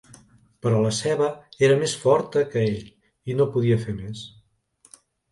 Però la ceba era més forta que ell i no podia fer més